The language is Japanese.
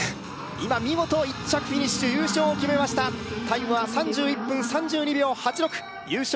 今見事１着フィニッシュ優勝を決めましたタイムは３１分３２秒８６優勝